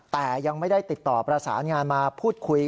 แต่ยังไม่ได้ติดต่อประสานงานมาพูดคุย